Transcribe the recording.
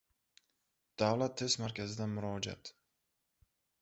Davlat test markazidan murojaat